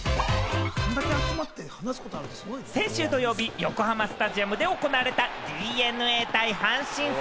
先週土曜日、横浜スタジアムで行われたＤｅＮＡ対阪神戦。